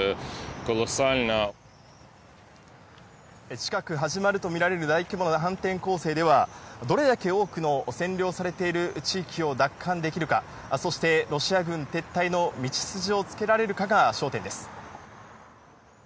近く始まると見られる大規模な反転攻勢では、どれだけ多くの占領されている地域を奪還できるか、そしてロシア軍撤退の道筋をつけられるかが焦点です。